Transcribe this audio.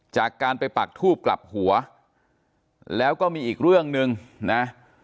จากการไปปักทูบกลับหัวแล้วก็มีอีกเรื่องหนึ่งนะ